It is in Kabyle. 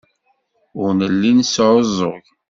Ur nelli nesɛuẓẓug.